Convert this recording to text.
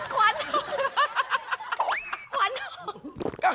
ขวาน